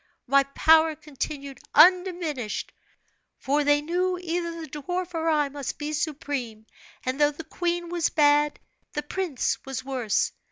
My power continued undiminished; for they knew either the dwarf or I must be supreme; and though the queen was bad, the prince was worse.